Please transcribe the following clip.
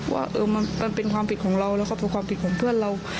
ว่ามันเป็นความผิดของเราแล้วก็เป็นความผิดของเพื่อนเรา